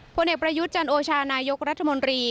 ผลเอกประยุทธ์จันโอชานายกรัฐมนตรี